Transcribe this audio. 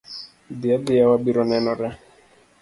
Dhi adhiya wabiro nenore.